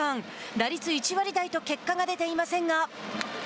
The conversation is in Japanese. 打率１割台と結果が出ていませんが。